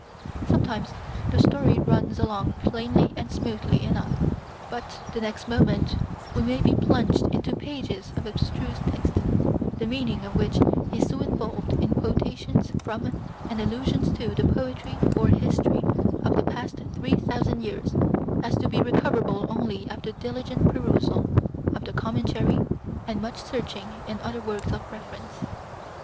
Sometimes the story runs along plainly and smoothly enough ; but the next moment we may be plunged into pages of abstruse text, the meaning of which is so involved in quotations from and allusions to the poetry or history of the past three thousand years as to be recoverable only after diligent perusal of the commentary and much searching in other works of reference.